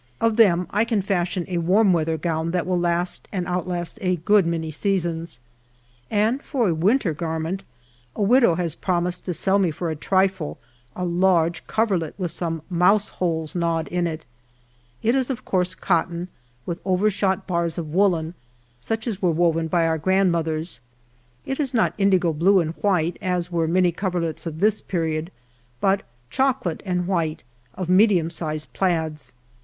Of them 1 can fashion a warm weather gown that will last and outlast a good many seasons, and for a winter garment a widow has promised to sell me for a trifle a large coverlet with some mouse holes knawed in it. It is of coarse cotton, with overshot bars of woolen, such as were woven by our grandmothers. It is not indigo blue and white, as were many coverlets of this period, but chocolate and white, of medium sized plaids.